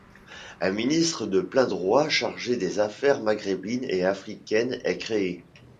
Un ministère de plein droit chargé des Affaires maghrébines et africaines est créé.